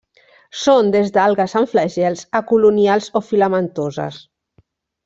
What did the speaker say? Són des d'algues amb flagels a colonials o filamentoses.